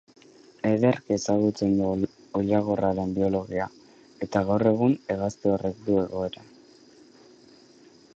Ederki ezagutzen du oilagorraren biologia, eta gaur egun hegazti horrek duen egoera.